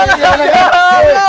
sampe segitunya ya